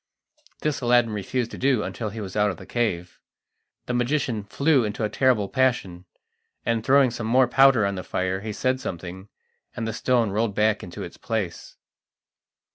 This Aladdin refused to do until he was out of the cave. The magician flew into a terrible passion, and throwing some more powder on the fire, he said something, and the stone rolled back into its place.